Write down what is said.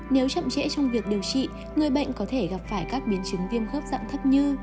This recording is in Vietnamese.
nếu chậm trễ trong việc điều trị người bệnh có thể gặp phải các biến chứng viêm khớp dạng thấp như